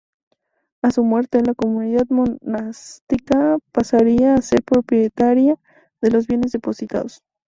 A su muerte, la comunidad monástica pasaría a ser propietaria de los bienes depositados.